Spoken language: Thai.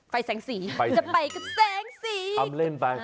ไฟแสงสี่จะไปกับแสงสี